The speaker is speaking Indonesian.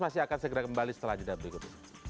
masih akan segera kembali setelah jadwal berikutnya